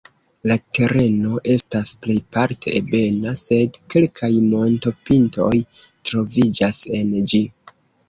La tereno estas plejparte ebena, sed kelkaj montopintoj troviĝas en ĝi.